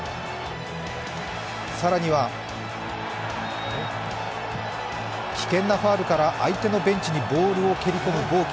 更には、危険なファウルから相手のベンチに蹴り込む暴挙。